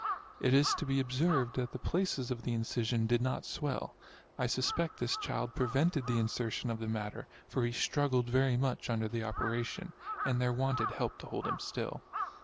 It is to be observed, that the places of the incision did not swell. I suspect this child pre vented the insertion of the matter, for he struggled very much under the operation, and there wanted help to hold him still.